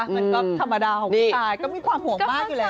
มันก็ธรรมดาของผู้ชายก็มีความห่วงมากอยู่แล้ว